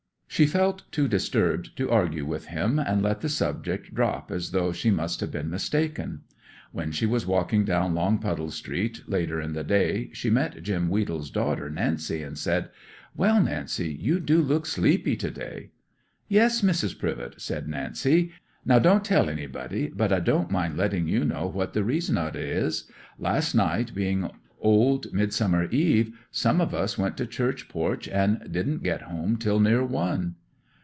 She felt too disturbed to argue with him, and let the subject drop as though she must have been mistaken. When she was walking down Longpuddle street later in the day she met Jim Weedle's daughter Nancy, and said, "Well, Nancy, you do look sleepy to day!" '"Yes, Mrs. Privett," says Nancy. "Now don't tell anybody, but I don't mind letting you know what the reason o't is. Last night, being Old Midsummer Eve, some of us went to church porch, and didn't get home till near one."